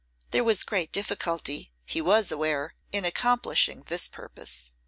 There was great difficulty, he was aware, in accomplishing this purpose.